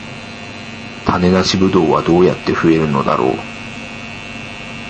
種なしブドウはどうやって増えるのだろう